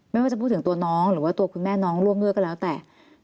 ไม่ว่าจะพูดถึงตัวน้องหรือว่าตัวคุณแม่น้องร่วมด้วยก็แล้วแต่